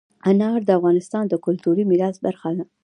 انار د افغانستان د کلتوري میراث برخه ده.